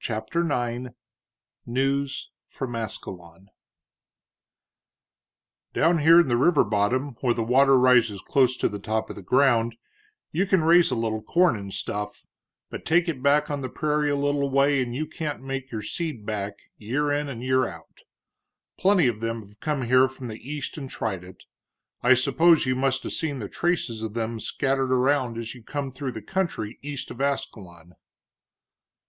CHAPTER IX NEWS FROM ASCALON "Down here in the river bottom, where the water rises close to the top of the ground, you can raise a little corn and stuff, but take it back on the prairie a little way and you can't make your seed back, year in and year out. Plenty of them have come here from the East and tried it I suppose you must 'a' seen the traces of them scattered around as you come through the country east of Ascalon."